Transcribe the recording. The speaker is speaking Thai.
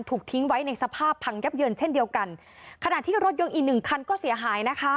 ถูกทิ้งไว้ในสภาพพังยับเยินเช่นเดียวกันขณะที่รถยนต์อีกหนึ่งคันก็เสียหายนะคะ